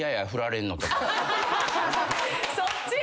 そっち？